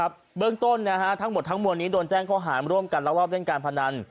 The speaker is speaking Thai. เบื้องต้นทั้งหมดทั้งมวลนี้โดนแจ้งข้อหารร่วมกันลักลอบเล่นการพนัน